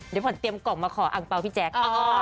เดี๋ยวขวัญเตรียมกล่องมาขออังเปล่าพี่แจ๊ค